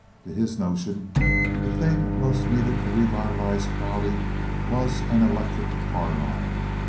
To his notion, the thing most needed to revitalize Prouty was an electric car line.